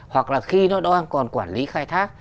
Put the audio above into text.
hoặc là khi nó đang còn quản lý khai thác